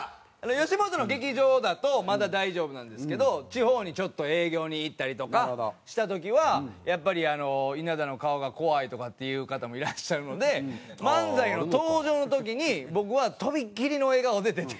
吉本の劇場だとまだ大丈夫なんですけど地方にちょっと営業に行ったりとかした時はやっぱり稲田の顔が怖いとかっていう方もいらっしゃるので漫才の登場の時に僕はとびっきりの笑顔で出ていくっていう。